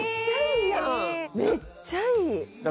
めっちゃいいやん！